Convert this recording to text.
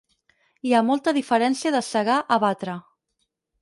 Hi ha molta diferència de segar a batre.